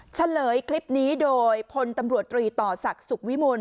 เฉลยคลิปนี้โดยผลตำรวจตรีต่อสักศุกร์วิมูล